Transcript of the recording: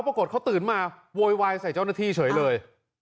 ปรากฏเขาตื่นมาโวยวายใส่เจ้าหน้าที่เฉยเลย